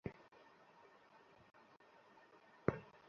আমিও খুঁজছি তাকে।